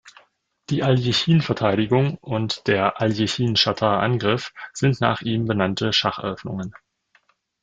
Die Aljechin-Verteidigung und der Aljechin-Chatard-Angriff sind nach ihm benannte Schacheröffnungen.